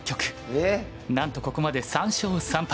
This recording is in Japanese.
え⁉なんとここまで３勝３敗。